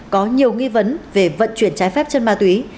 có nhiều nghi vấn về vận chuyển trái phép chân ma túy